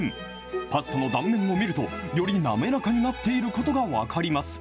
パスタの断面を見ると、より滑らかになっていることが分かります。